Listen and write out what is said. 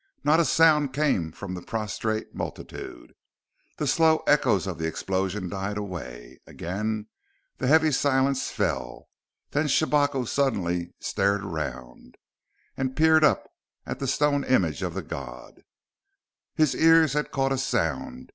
Not a sound came from the prostrate multitude. The slow echoes of the explosion died away; again the heavy silence fell. Then Shabako suddenly stared around, and peered up at the stone image of the god. His ears had caught a sound.